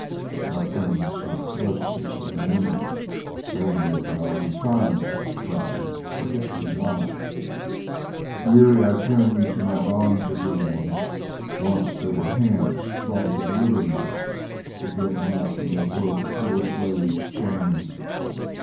My friends have thrust me from their memory ; Vainly a thousand thousand times I cry : Forget me not ! Weary I turn me to my bonds again. Once there were hands strong to deliver me, Forget not when they broke a poor slave's chain